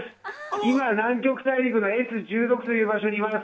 今、南極大陸のＳ１６という場所にいます。